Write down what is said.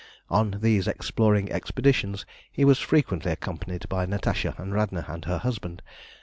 On these exploring expeditions he was frequently accompanied by Natasha and Radna and her husband.